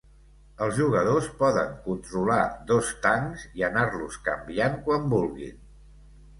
Els jugadors poden controlar dos tancs i anar-los canviant quan vulguin.